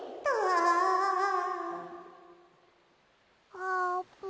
あーぷん。